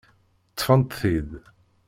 Ṭṭfent-t-id.